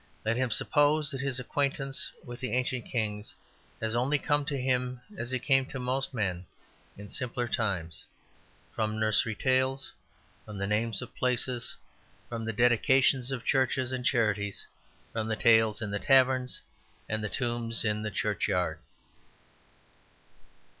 Let him suppose that his acquaintance with the ancient kings has only come to him as it came to most men in simpler times, from nursery tales, from the names of places, from the dedications of churches and charities, from the tales in the tavern, and the tombs in the churchyard.